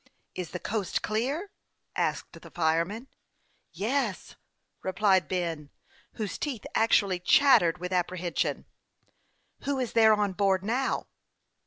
" Is the coast clear ?" asked the firemen. " Yes," replied Ben, whose teeth actually chattered with apprehension. " Who is there on board now